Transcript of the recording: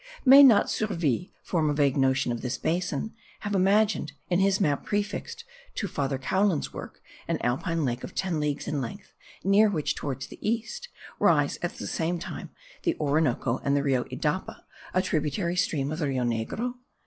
May not Surville, from a vague notion of this basin, have imagined, in his map prefixed to Father Caulin's work, an Alpine lake of ten leagues in length, near which, towards the east, rise at the same time the Orinoco, and the Rio Idapa, a tributary stream of the Rio Negro?